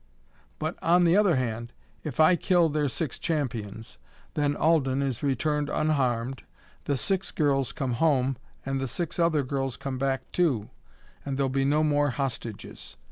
But, on the other hand, if I kill their six champions, then Alden is returned unharmed, the six girls come home and the six other girls come back too and there'll be no more hostages.